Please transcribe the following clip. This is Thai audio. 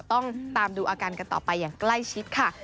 ต้องตามดูอาการกันต่อไปอย่างใกล้ชิดค่ะ